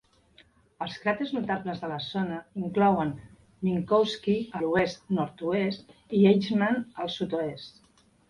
Els cràters notables de la zona inclouen Minkowski, a l'oest-nord-oest, i Eijkman, al sud-oest.